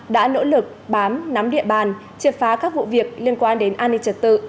đã nỗ lực bám nắm địa bàn triệt phá các vụ việc liên quan đến an ninh trật tự